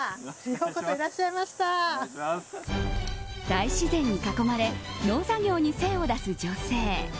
大自然に囲まれ農作業に精を出す女性。